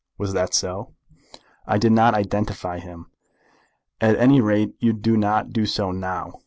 Was that so?" "I didn't identify him." "At any rate you do not do so now?